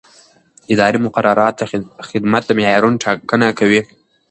اداري مقررات د خدمت د معیارونو ټاکنه کوي.